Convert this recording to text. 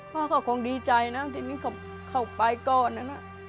พ่อเขาคงดีใจนะทีนี้เขาไปก่อนนะ